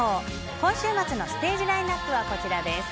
今週末のステージラインアップはこちらです。